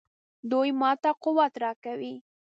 دوی ماته قوت راکوي.